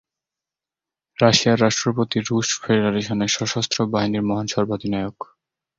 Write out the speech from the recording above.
রাশিয়ার রাষ্ট্রপতি "রুশ ফেডারেশনের সশস্ত্র বাহিনীর মহান সর্বাধিনায়ক"।